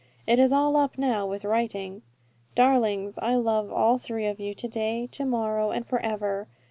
It is all up now with writing. "Darlings, I love all three of you, to day, to morrow, and for ever.